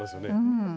うん。